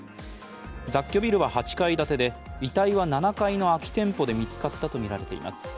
雑居ビルは８階建てで、遺体は７階の空き店舗で見つかったとみられています。